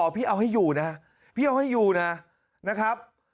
พี่เอาให้อยู่นะพี่เอาให้อยู่นะนะครับ